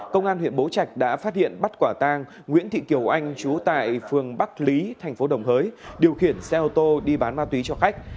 công an huyện bố trạch đã phát hiện bắt quả tang nguyễn thị kiều anh trú tại phường bắc lý thành phố đồng hới điều khiển xe ô tô đi bán ma túy cho khách